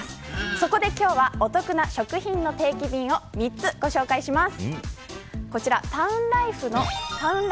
そこで今日はお得な食品の定期便を３つご紹介します。